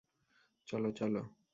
চল, চল।